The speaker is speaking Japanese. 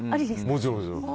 もちろん。